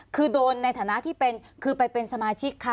คือโดนในฐานะที่เป็นคือไปเป็นสมาชิกค่ะ